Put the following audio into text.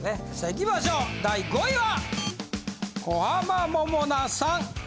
いきましょう第５位は！